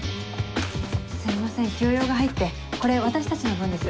すいません急用が入ってこれ私たちの分です。